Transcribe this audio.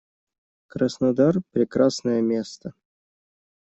Краснодар - прекрасное место.